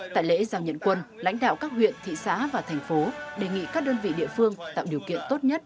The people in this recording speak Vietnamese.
tại lễ giảng nhận quân lãnh đạo các huyện thị xã và thành phố đề nghị các đơn vị địa phương tạo điều kiện tốt nhất